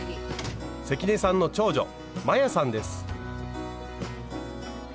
関根さんの長女摩耶さんです。